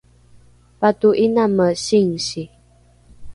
pato’iname singsi